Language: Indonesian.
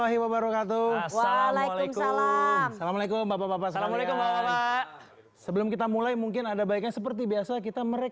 jangan kemana mana tetap bersama kami